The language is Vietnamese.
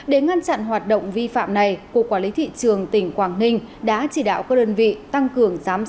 để ngăn chặn hoạt động vi phạm này cục quản lý thị trường tỉnh quảng ninh đã chỉ đạo các đơn vị tăng cư